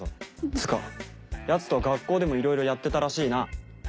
つうかヤツとは学校でもいろいろやってたらしいな。